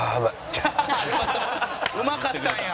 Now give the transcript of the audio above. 「うまかったんや！」